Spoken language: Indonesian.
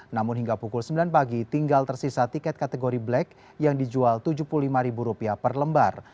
namun hingga pukul sembilan pagi tinggal tersisa tiket kategori black yang dijual rp tujuh puluh lima per lembar